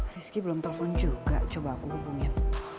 rizky belum telpon juga coba aku hubungin